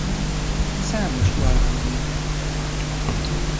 Számos galvanométert tervezett.